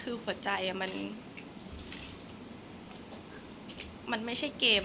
คนเราถ้าใช้ชีวิตมาจนถึงอายุขนาดนี้แล้วค่ะ